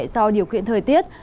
do điều kiện thời tiết